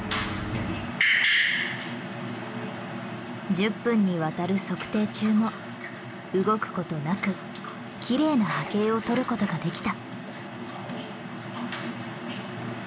１０分にわたる測定中も動くことなくきれいな波形をとることができた。